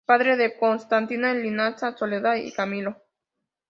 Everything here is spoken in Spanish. Padre de Constanza, Liliana, Soledad y Camilo.